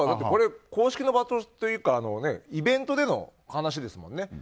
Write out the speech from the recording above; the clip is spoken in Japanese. これは公式の場というかイベントでの話ですもんね。